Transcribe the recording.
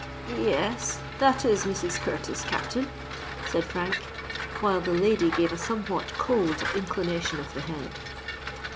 "Ye es—that is Mrs. Curtis, Captain," said Frank, while the lady gave a somewhat cold inclination of the head.